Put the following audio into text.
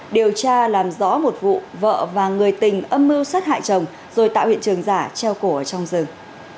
điều tra làm rõ một vụ vợ và người tình âm mưu sát hại chồng rồi tạo hiện trường giả treo cổ ở trong rừng